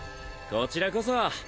こちらこそ。